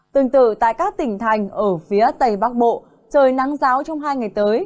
tương tự tại các tỉnh thành ở phía tây bắc bộ trời nắng giáo trong hai ngày tới